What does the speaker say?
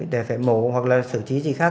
để phải mổ hoặc là sử trí gì khác